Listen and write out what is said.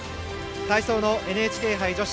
体操のＮＨＫ杯女子。